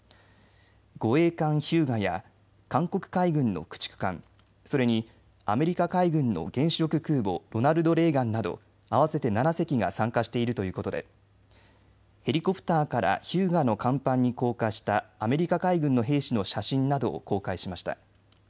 護衛艦ひゅうがや韓国海軍の駆逐艦、それにアメリカ海軍の原子力空母ロナルド・レーガンなど合わせて７隻が参加しているということでヘリコプターからひゅうがの甲板に降下したアメリカ海軍の兵士の写真などを公開しました。